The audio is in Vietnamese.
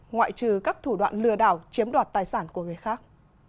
ngoại trừ các thủ đoạn lừa đảo chiếm đoạt tài sản của người khác